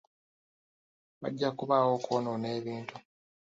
Wajja kubaawo okwonoona ebintu.